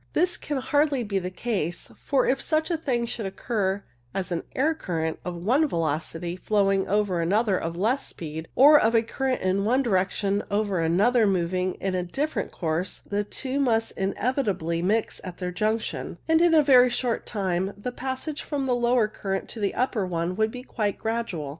This can hardly be the case, for if such a thing should occur as an air current of one velocity flowing over another of less speed, or of a current in one direction over another moving in a different course, the two must inevitably mix at their junction, and in a very short time the passage from the lower current to the upper one would be quite gradual.